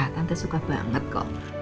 tante suka banget kok